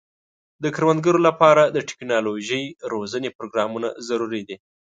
د کروندګرو لپاره د ټکنالوژۍ روزنې پروګرامونه ضروري دي.